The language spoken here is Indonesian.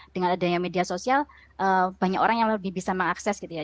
dengan adanya media sosial banyak orang yang lebih bisa mengakses gitu ya